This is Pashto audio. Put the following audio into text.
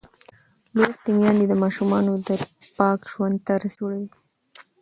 لوستې میندې د ماشومانو د پاک ژوند طرز جوړوي.